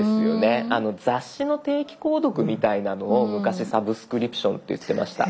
雑誌の定期購読みたいなのを昔サブスクリプションって言ってました。